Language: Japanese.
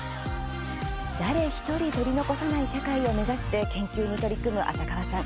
誰１人取り残さない社会を目指して研究に取り組む浅川さん。